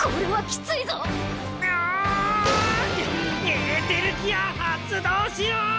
エーテルギア発動しろ！